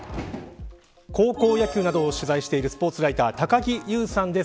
高校野球などを取材しているスポーツライター高木遊さんです。